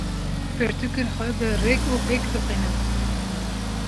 Pirtûkên xwe bi rêk û pêk dixwînim.